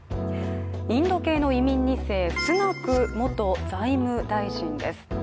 インド系の移民２世、スナク元財務大臣です。